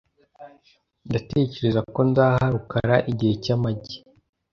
Ndatekereza ko nzaha rukara igihe cy amagi .